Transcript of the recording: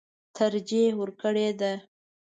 ترجېح ورکړې ده.